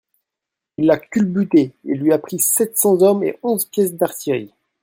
Il l'a culbuté et lui a pris sept cents hommes et onze pièces d'artillerie.